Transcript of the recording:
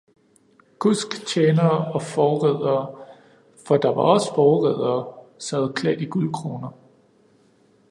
Kusk, tjenere og forridere, for der var også forridere, sad klædt i guldkroner